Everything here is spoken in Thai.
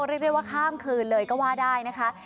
เรียกได้ว่าข้ามคืนเลยก็ว่าได้นะคะ